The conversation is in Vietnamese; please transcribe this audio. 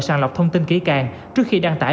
sàng lọc thông tin kỹ càng trước khi đăng tải